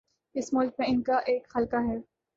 اس ملک میں ان کا ایک حلقہ ہے۔